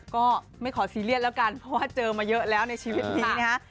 ก็ไม่ขอซีเรียสแล้วกันเพราะว่าเจอมาเยอะแล้วในชีวิตนี้นะฮะ